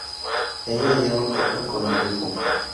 Ella ya no toca con el grupo.